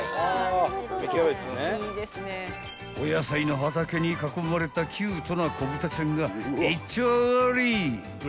［お野菜の畑に囲まれたキュートな子豚ちゃんが一丁上がり］